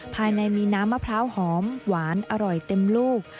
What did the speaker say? ภายในมีน้ำมะพร้าวหอมหวานอร่อยเต็มลูก